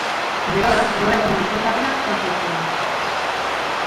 Gerora gaur egungo izendapena jaso zuen.